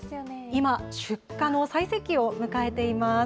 今、出荷の最盛期を迎えています。